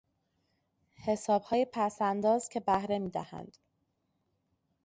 حسابهای پسانداز که بهره میدهند